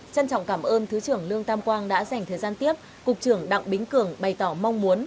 trân trọng cảm ơn thứ trưởng lương tam quang đã dành thời gian tiếp cục trưởng đặng bính cường bày tỏ mong muốn